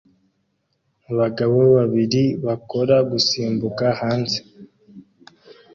Abagabo babiri bakora gusimbuka hanze